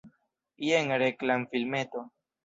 Jen reklamfilmeto.